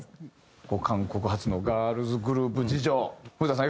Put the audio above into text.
韓国発のガールズグループ事情古田さん